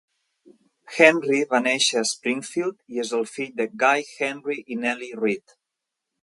Henry va néixer a Springfield i és el fill de Guy Henry i Nellie Reed.